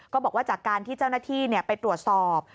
บอกว่าจากการที่เจ้าหน้าที่ไปตรวจสอบ